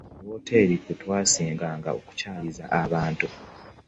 Ku wooteeri kwe twasinganga okukyaliza abantu.